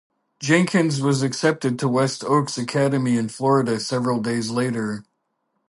Jenkins was accepted to West Oaks Academy in Florida several days later.